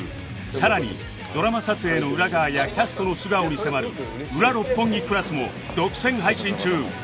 さらにドラマ撮影の裏側やキャストの素顔に迫る『ウラ六本木クラス』も独占配信中